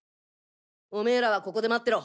オメーらはここで待ってろ！